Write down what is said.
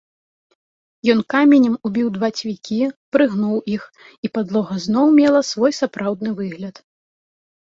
Ён каменем убіў два цвікі, прыгнуў іх, і падлога зноў мела свой сапраўдны выгляд.